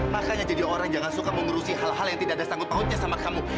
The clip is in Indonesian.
makanya jadi orang jangan suka mengurusi hal hal yang tidak ada sanggut pautnya sama kamu